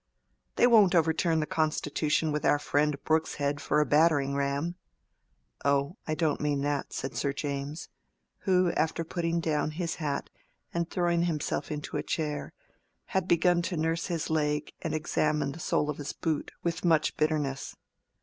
They won't overturn the Constitution with our friend Brooke's head for a battering ram." "Oh, I don't mean that," said Sir James, who, after putting down his hat and throwing himself into a chair, had begun to nurse his leg and examine the sole of his boot with much bitterness.